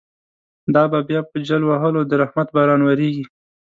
دا به بیا په جل وهلو، د رحمت باران وریږی